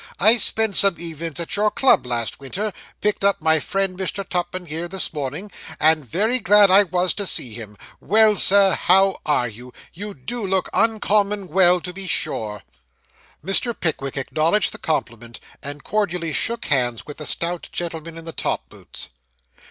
I spent some ev'nin's at your club last winter picked up my friend Mr. Tupman here this morning, and very glad I was to see him. Well, Sir, and how are you? You do look uncommon well, to be sure.' Mr. Pickwick acknowledged the compliment, and cordially shook hands with the stout gentleman in the top boots.